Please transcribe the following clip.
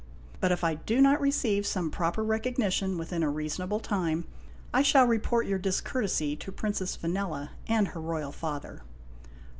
But if I do not receive some proper recognition within a reasonable time, I shall report your discourtesy to Princess Vanella and her royal father.